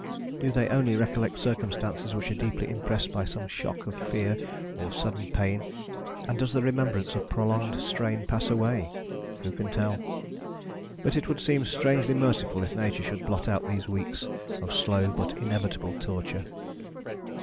Do they only recollect circumstances which are deeply impressed by some shock of fear or sudden pain, and does the remembrance of prolonged strain pass away? Who can tell? But it would seem strangely merciful if nature should blot out these weeks of slow but inevitable torture."